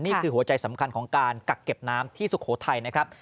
หัวใจสำคัญของการกักเก็บน้ำที่สุโขทัยนะครับ